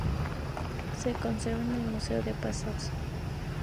Se conserva en el Museo de Pasos.